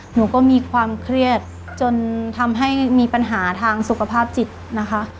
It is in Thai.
หนูก็มีความเครียดจนทำให้มีปัญหาทางสุขภาพจิตนะคะ